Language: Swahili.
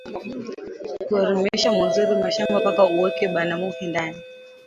Kurimisha muzuri mashamba paka uweke banamuke ndani